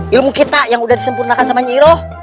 ilmu kita yang udah disempurnakan sama nyiro